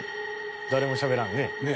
誰もしゃべらんね。